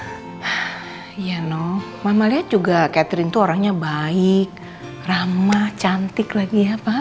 iya nong mama lihat juga catherine itu orangnya baik ramah cantik lagi ya pak